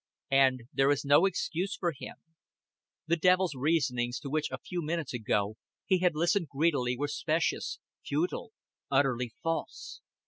And there is no excuse for him. The Devil's reasonings to which a few minutes ago he had listened greedily were specious, futile, utterly false.